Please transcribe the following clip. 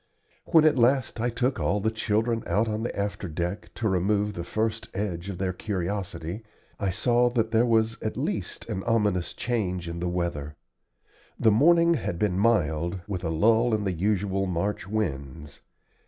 When at last I took all the children out on the afterdeck, to remove the first edge of their curiosity, I saw that there was at least an ominous change in the weather. The morning had been mild, with a lull in the usual March winds.